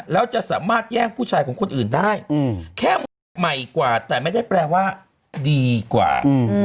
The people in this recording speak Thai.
แล้วจะสามารถแย่งผู้ชายของคนอื่นได้แค่ใหม่กว่าแต่ไม่ได้แปลว่าดีกว่า